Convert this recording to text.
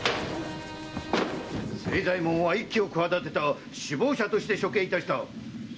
〔清左衛門は一揆を企てた首謀者として処刑いたした〕